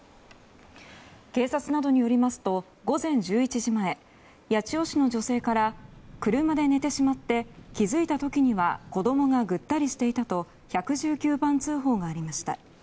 警察などによりますと午前１１時前八千代市の女性から車で寝てしまって気づいた時には子供がぐったりしていたと１１９番通報がありました。